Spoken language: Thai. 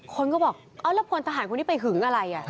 คนก็บอกเอาแล้วพลทหารคนนี้ไปหึงอะไร